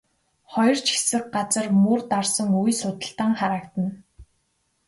Хоёр ч хэсэг газар мөр дарсан үе судалтан харагдана.